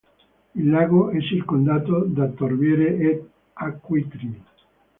Il lago è circondato da torbiere ed acquitrini.